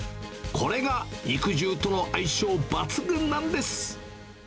これが肉汁との相性抜群なんです。